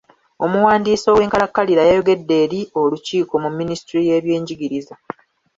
Omuwandiisi ow'enkalakkalira yayogedde eri olukiiko mu minisitule y'ebyenjigiriza.